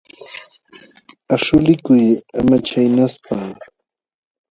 Aśhulikuy ama chaynaspa.